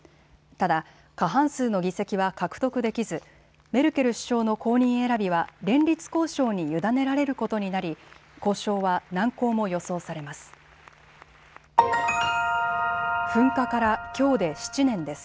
ただ過半数の議席は獲得できずメルケル首相の後任選びは連立交渉に委ねられることになり交渉は難航も予想されます。